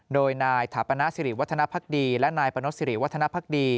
โดยนายถาปนาสิริวัฒนภักดีและนายปนสิริวัฒนภักดี